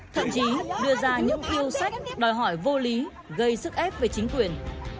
thậm chí đưa ra những yêu sách đòi hỏi vô lý gây sức ép về chính quyền